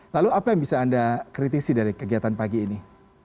lalu apa yang bisa anda kritisi dari kegiatan pagi ini